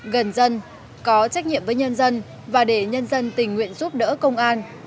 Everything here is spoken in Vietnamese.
gần dân có trách nhiệm với nhân dân và để nhân dân tình nguyện giúp đỡ công an